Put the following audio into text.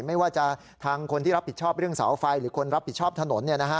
ไม่ว่าจะทางคนที่รับผิดชอบเรื่องเสาไฟหรือคนรับผิดชอบถนน